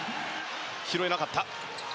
拾えなかった。